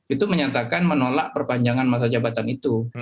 itu menyatakan menolak perpanjangan masa jabatan itu